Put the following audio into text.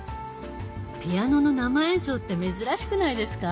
ピアノの生演奏って珍しくないですか？